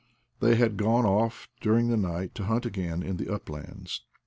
They had gone off during the night to hunt again on the uplands.